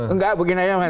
enggak begini aja